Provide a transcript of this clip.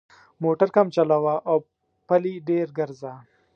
موټر کم چلوه او پلي ډېر ګرځه.